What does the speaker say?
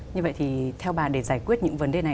như vậy thì theo bà để giải quyết những vấn đề này